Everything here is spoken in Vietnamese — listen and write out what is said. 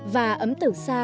và ấm tử sa